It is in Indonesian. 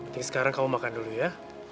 ini sekarang kamu makan dulu ya